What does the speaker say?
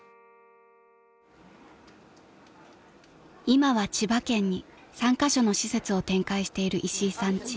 ［今は千葉県に３カ所の施設を展開しているいしいさん家］